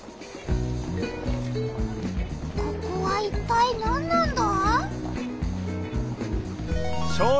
ここはいったいなんなんだ？